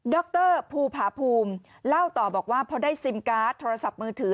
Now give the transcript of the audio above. รภูผาภูมิเล่าต่อบอกว่าพอได้ซิมการ์ดโทรศัพท์มือถือ